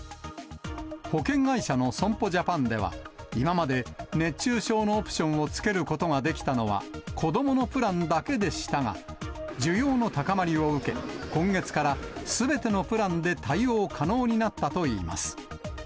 保険会社の損保ジャパンでは、今まで熱中症のオプションをつけることができたのは、子どものプランだけでしたが、需要の高まりを受け、今月からすべてのプランで対応可能になったといいます。